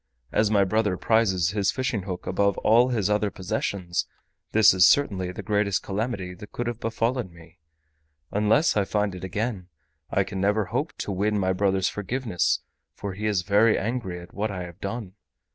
As my brother prizes his fishing hook above all his other possessions, this is the greatest calamity that could have befallen me. Unless I find it again I can never hope to win my brother's forgiveness, for he is very angry at what I have done.